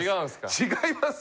違います！